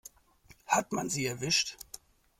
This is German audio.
Hat man sie erwischt?